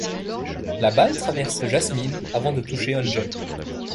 La balle traverse Jasmine avant de toucher Angel.